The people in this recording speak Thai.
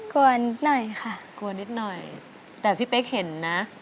กลัวหน่อยค่ะกลัวนิดหน่อยแต่พี่เป๊กเห็นนะ